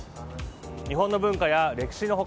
日本の文化や歴史の他